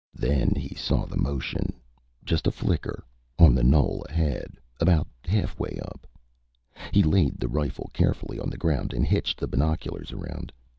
Then he saw the motion, just a flicker, on the knoll ahead about halfway up. He laid the rifle carefully on the ground and hitched the binoculars around.